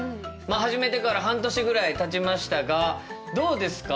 始めてから半年ぐらいたちましたがどうですか？